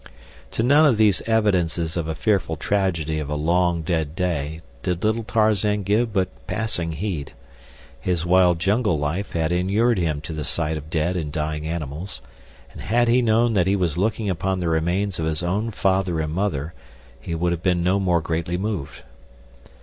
To none of these evidences of a fearful tragedy of a long dead day did little Tarzan give but passing heed. His wild jungle life had inured him to the sight of dead and dying animals, and had he known that he was looking upon the remains of his own father and mother he would have been no more greatly moved.